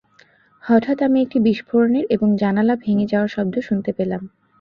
হঠাৎ আমি একটি বিস্ফোরণের এবং জানালা ভেঙে যাওয়ার শব্দ শুনতে পেলাম।